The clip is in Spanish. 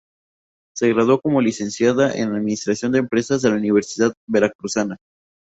Se graduó como Licenciada en Administración de Empresas en la Universidad Veracruzana.